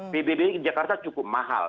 pbb jakarta cukup mahal